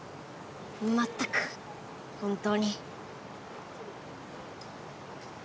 まったく本当に。